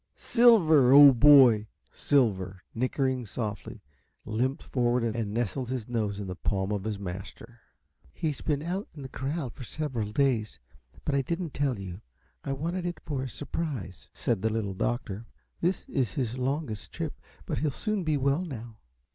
"Silver, old boy!" Silver, nickering softly, limped forward and nestled his nose in the palm of his master. "He's been out in the corral for several days, but I didn't tell you I wanted it for a surprise," said the Little Doctor. "This is his longest trip, but he'll soon be well now."